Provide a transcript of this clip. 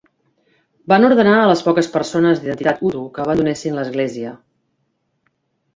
Van ordenar a les poques persones d'identitat hutu que abandonessin l'església.